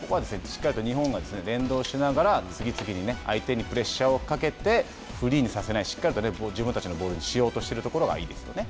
しっかりと日本が連動しながら次々に相手にプレッシャーをかけて、フリーにさせないしっかりと自分たちのボールにしようとしているところがいいですよね。